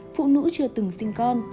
phụ nữ chưa từng sinh con